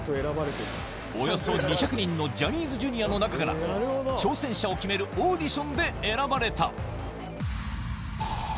およそ２００人のジャニーズＪｒ．の中から挑戦者を決めるオーディションで選ばれた。